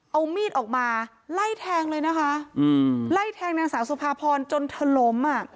เอามีดออกมาไล่แทงเลยนะคะอืมไล่แทงนางสาวสุภาพรจนเธอล้มอ่ะ